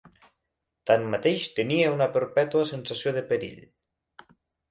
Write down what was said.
Tanmateix tenia una perpètua sensació de perill